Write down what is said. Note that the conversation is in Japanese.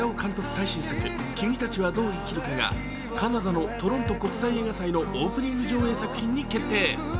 最新作、「君たちはどう生きるか」がカナダのトロント国際映画祭のオープニング上映作品に決定。